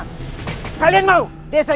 jangan mudah tertipu oleh tipu dayanya